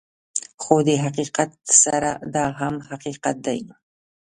خو دې حقیقت سره دا هم حقیقت دی